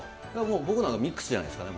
僕なんかミックスじゃないですかね。